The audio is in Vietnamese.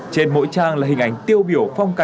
trên mỗi trang là hình ảnh tiêu biểu phong